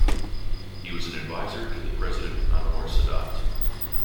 He was an adviser to the President Anwar Sadat.